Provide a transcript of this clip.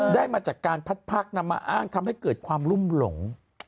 ได้มาจากการพัดพักนำมาอ้างทำให้เกิดความรุ่มหลง